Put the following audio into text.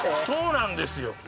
そうなんですよ。